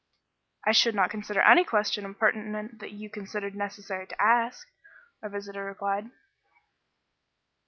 "I should not consider any question impertinent that you considered necessary to ask," our visitor replied.